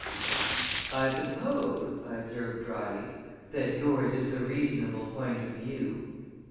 "I suppose," I observed dryly, "that yours is the reasonable point of view."